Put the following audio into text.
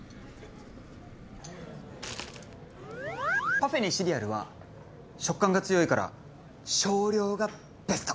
パフェにシリアルは食感が強いから少量がベスト！